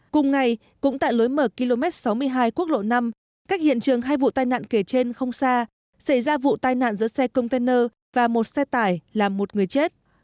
cùng ngày cũng tại lối mở km sáu mươi hai quốc lộ năm cách hiện trường hai vụ tai nạn kể trên không xa xảy ra vụ tai nạn giữa xe container và một xe tải làm một người chết